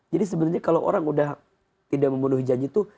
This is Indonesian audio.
jadi sebenarnya kalau orang sudah tidak memenuhi janji itu